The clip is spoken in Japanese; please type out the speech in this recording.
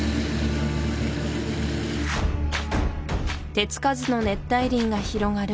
手つかずの熱帯林が広がる